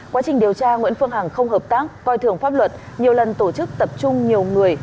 quá trình điều tra nguyễn phương hằng không hợp tác coi thường pháp luật nhiều lần tổ chức tập trung nhiều người